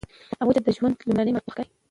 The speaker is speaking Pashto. هغوی ته د ژوند لومړني مهارتونه وښایئ.